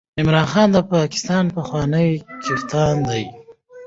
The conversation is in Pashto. عمران خان د پاکستان پخوانی کپتان دئ.